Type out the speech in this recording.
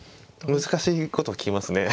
難しいことを聞きますね。